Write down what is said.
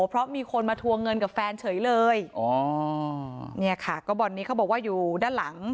เพราะมีคนมาทวงเงินกับแฟนเฉยเลยอ๋อเนี่ยค่ะก็บ่อนนี้เขาบอกว่าอยู่ด้านหลัง